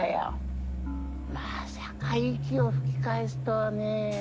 まさか息を吹き返すとはねえ。